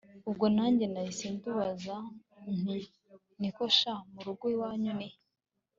ubwo nanjye nahise ndubaza nti niko sha! murugo iwanyu nihe!